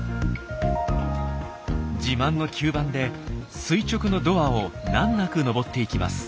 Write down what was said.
自慢の吸盤で垂直のドアを難なく登っていきます。